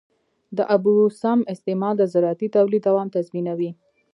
د اوبو سم استعمال د زراعتي تولید دوام تضمینوي.